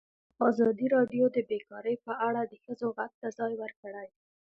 ازادي راډیو د بیکاري په اړه د ښځو غږ ته ځای ورکړی.